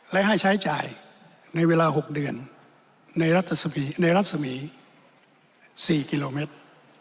และให้ใช้จ่ายในเวลา๖เดือนในรัศมี๔กิโลเมตร